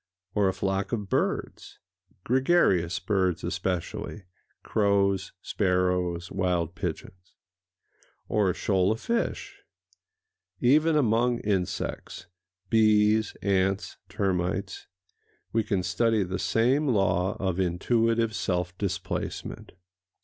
Or a flock of birds—gregarious birds especially: crows, sparrows, wild pigeons? Or a shoal of fish? Even among insects—bees, ants, termites—we can study the same law of intuitive self displacement.